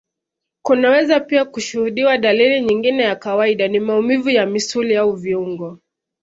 kunaweza pia kushuhudiwa dalili nyingine ya kawaida ni maumivu ya misuli au viungo